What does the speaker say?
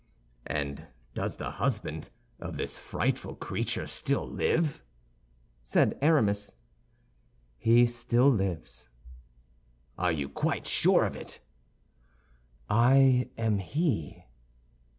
"And does the husband of this frightful creature still live?" said Aramis. "He still lives." "Are you quite sure of it?" "I am he."